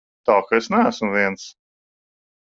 Tā ka es neesmu viens.